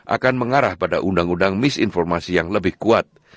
akan mengarah pada undang undang misinformasi yang lebih kuat